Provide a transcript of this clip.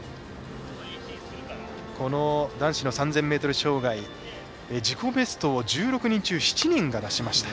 この男子の３０００ｍ障害自己ベストを１６人中７人が出しました。